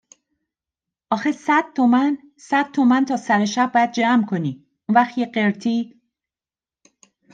آخه صد تومن، صد تومن تا سر شب باید جمع کنی، اونوقت یه قرتی